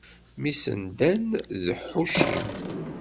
Mmi-s n Dan d Ḥucim.